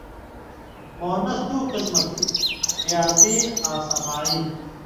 مؤنث دُو قسمہ تھی ،قیاسی آں سماعی